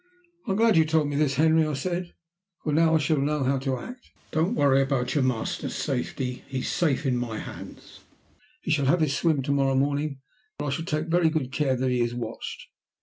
"I am glad you told me this, Henry," I said, "for now I shall know how to act. Don't worry about your master's safety. Leave him to me. He is safe in my hands. He shall have his swim to morrow morning, but I shall take very good care that he is watched.